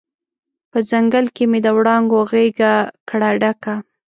په ځنګل کې مې د وړانګو غیږ کړه ډکه